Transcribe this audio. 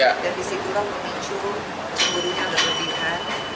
dan disitulah memicu cemburunya berlebihan